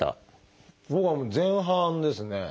僕は前半ですね。